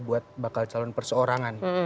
buat bakal calon perseorangan